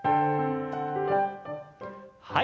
はい。